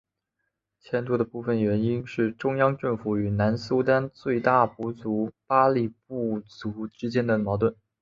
迁都的部分原因是中央政府与南苏丹最大部族巴里部族之间的矛盾。